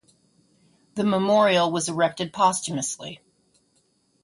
The memorial was erected posthumously.